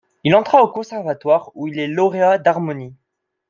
Il entra au Conservatoire, où il est lauréat d'harmonie.